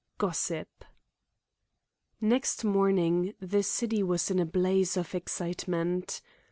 GOSSIP Next morning the city was in a blaze of excitement.